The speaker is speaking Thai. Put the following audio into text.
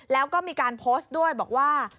แล้วก็มีการโพสต์ด้วยบอกว่า